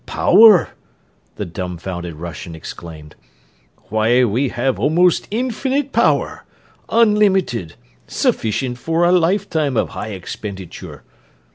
"Power!" the dumfounded Russian exclaimed. "Why, we have almost infinite power unlimited sufficient for a lifetime of high expenditure!"